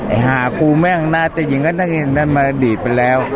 ไอ้หากูแม่งน่าจะยินก็น่าจะยินนั่นอดีตไปแล้ว